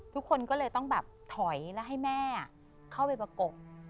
ทุกคนก็เลยต้องถอยให้แม่เข้าไปประกก